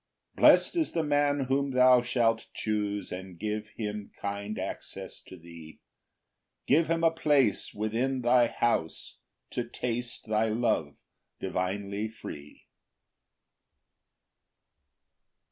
4 Blest is the man whom thou shalt choose, And give him kind access to thee, Give him a place within thy house, To taste thy love divinely free. PAUSE.